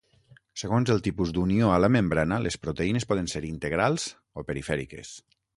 Segons el tipus d'unió a la membrana, les proteïnes poden ser integrals o perifèriques.